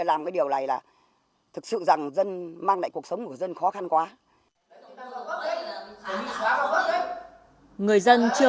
làm cái điều này là thực sự rằng dân mang lại cuộc sống của dân khó khăn quá người dân chưa